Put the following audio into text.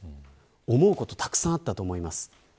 思うことたくさんあったと思います。